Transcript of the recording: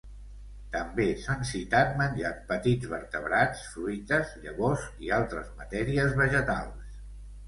També s'han citat menjant petits vertebrats, fruites, llavors i altres matèries vegetals.